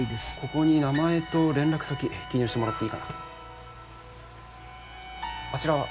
ここに名前と連絡先記入してもらっていい・あちらは？